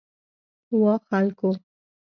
وا خلکو!